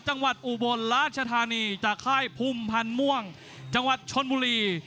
จังหวัดอุบลราชธานีจากค่ายภูมิพันธ์ม่วงจังหวัดชนบุรี